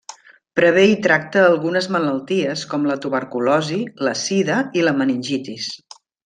Prevé i tracta algunes malalties com la tuberculosi, la sida i la meningitis.